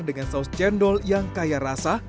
dengan saus cendol yang kaya rasa